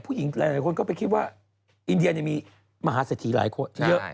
ผู้หญิงหลายคนก็ไปคิดว่าอินเดียมีมหาเสถีหลายคนเยอะ